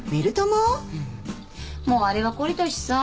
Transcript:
もうあれは懲りたしさ。